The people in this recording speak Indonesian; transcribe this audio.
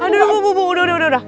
aduh bu bu bu udah udah